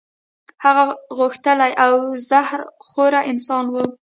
هغه غښتلی او زهر خوره انسان وو.